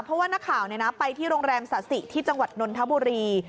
เพราะว่านักข่าวไปที่โรงแรมสะสิที่จังหวัดนนทบุรี